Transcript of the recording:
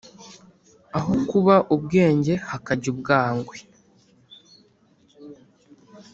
aho kuba ubwenge hakajya ubwangwe.